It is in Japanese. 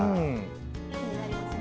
気になりますね。